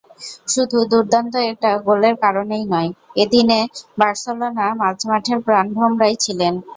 শুধু দুর্দান্ত একটা গোলের কারণেই নয়, এদিন বার্সেলোনা মাঝমাঠের প্রাণভোমরাই ছিলেন।